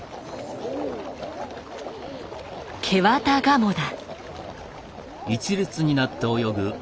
ケワタガモだ。